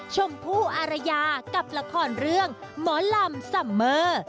ชมพู่อารยากับละครเรื่องหมอลำซัมเมอร์